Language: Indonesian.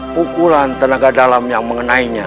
pukulan tenaga dalam yang mengenainya